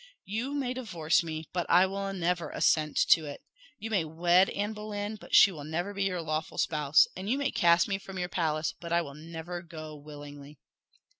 You may divorce me, but I will never assent to it; you may wed Anne Boleyn, but she will never be your lawful spouse; and you may cast me from your palace, but I will never go willingly."